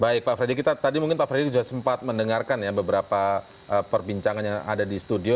baik pak freddy kita tadi mungkin pak freddy sudah sempat mendengarkan ya beberapa perbincangan yang ada di studio